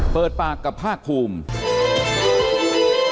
เปิดปากกับภาคภูมิ